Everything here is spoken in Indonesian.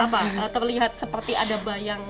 apa terlihat seperti ada bayang